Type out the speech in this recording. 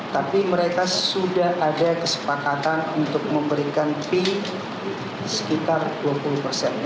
tapi mereka sudah ada kesepakatan untuk memberikan fee sekitar dua puluh persen